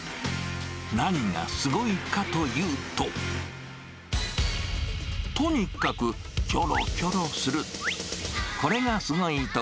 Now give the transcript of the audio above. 何がすごいかというと、とにかくきょろきょろする。